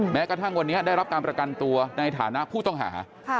แม้กระทั่งวันนี้ได้รับการประกันตัวในฐานะผู้ต้องหา